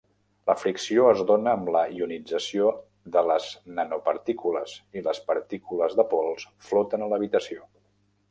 La fricció es dona amb la ionització de les nanopartícules i les partícules de pols floten a l'habitació.